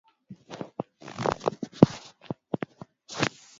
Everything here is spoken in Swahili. sinikiza malori kadhaa kuelekea huko sudan kusini